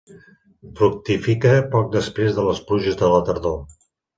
Fructifica poc després de les pluges de la tardor.